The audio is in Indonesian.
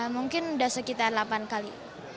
mungkin sudah sekitar delapan kali